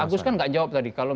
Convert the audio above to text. pak agus kan nggak jawab tadi